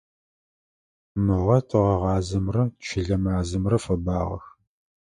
Мыгъэ тыгъэгъазэмрэ щылэ мазэмрэ фэбагъэх.